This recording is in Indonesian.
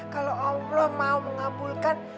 kalau allah mau mengabulkan